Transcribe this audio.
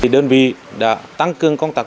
đơn vị đã tăng cường công tác